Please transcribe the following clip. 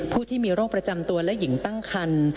ผู้ที่มีโรคประจำตัวและหญิงตั้งคัน